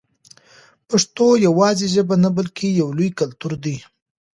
پښتو یوازې ژبه نه بلکې یو لوی کلتور دی.